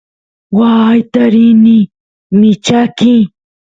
waayta rini michaqy